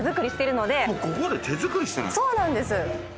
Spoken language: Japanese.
そうなんです。